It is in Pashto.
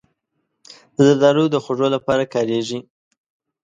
زردالو د خوږو لپاره کارېږي.